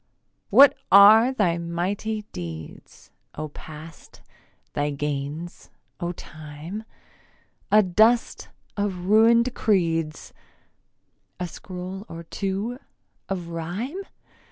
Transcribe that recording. What are thy mighty deeds, O Past, thy gains, O Time? A dust of ruin'd creeds, A scroll or two of rhyme?